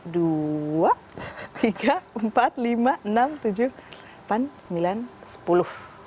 dua tiga empat lima enam tujuh pan sembilan sepuluh